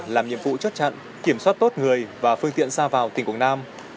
làm nhiệm vụ chốt chặn kiểm soát tốt người và phương tiện ra vào tỉnh quảng nam